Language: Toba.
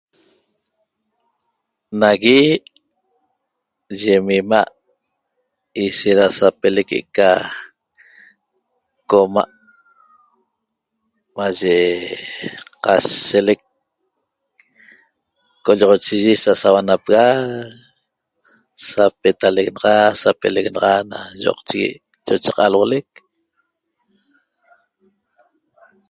Nagui yim ima a' ishet da sapeleq que ca qoma maye cashelecta coyioxochigue Sa sa'huana sapelexa a' sapetaleqta Sapetaleqteq na yoqchigui chochaq caraqlec